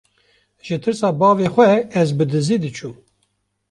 ji tirsa bavê xwe ez bi dizî diçûm.